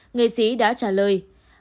nghệ sĩ đã trả lời